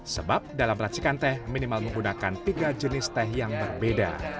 sebab dalam racikan teh minimal menggunakan tiga jenis teh yang berbeda